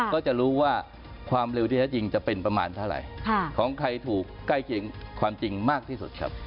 ก็จะรู้ว่าความเร็วที่แท้จริงจะเป็นประมาณเท่าไหร่ของใครถูกใกล้เคียงความจริงมากที่สุดครับ